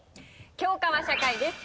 教科は社会です。